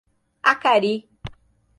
Acari